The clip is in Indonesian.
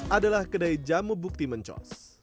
adalah kedai jamu bukti mencos